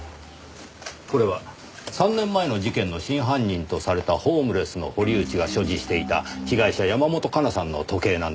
これは３年前の事件の真犯人とされたホームレスの堀内が所持していた被害者山本香奈さんの時計なんですがね。